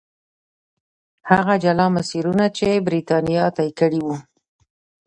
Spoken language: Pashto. هغه جلا مسیرونه چې برېټانیا طی کړي وو.